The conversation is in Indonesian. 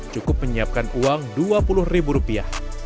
cukup menyiapkan uang dua puluh ribu rupiah